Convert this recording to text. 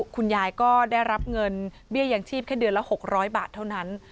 คุณยายก็ได้รับเงินเบี้ยยังชีพแค่เดือนละ๖๐๐บาทเท่านั้น